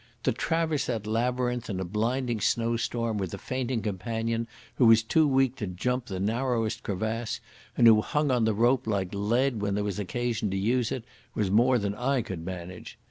To traverse that labyrinth in a blinding snowstorm, with a fainting companion who was too weak to jump the narrowest crevasse, and who hung on the rope like lead when there was occasion to use it, was more than I could manage.